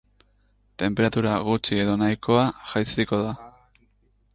Tenperatura gutxi edo nahikoa jaitsiko da.